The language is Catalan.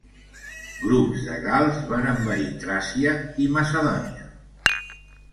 Grups de gals van envair Tràcia i Macedònia.